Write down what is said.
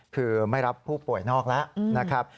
คือไม่รับผู้ป่วยนอกแล้วนะครับ